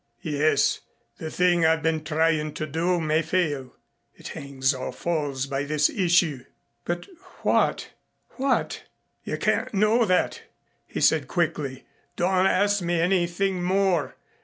"Yes. The thing I've been trying to do may fail. It hangs or falls by this issue." "But what what?" "You can't know that," he said quickly. "Don't ask me anything more.